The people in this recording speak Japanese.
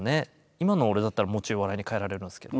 今の俺だったらもちろん笑いに変えられるんですけど。